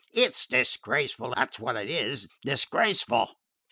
It 's disgraceful; that 's wot it is disgraceful."